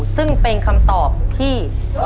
ซึ่งเป็นคำตอบที่